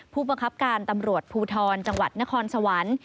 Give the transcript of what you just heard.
ผู้บังคับการตำรวจภูทรจังหวัดนครสวรรค์